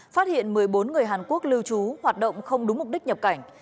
phát hiện một mươi bốn người hàn quốc lưu trú hoạt động không đúng mục đích nhập cảnh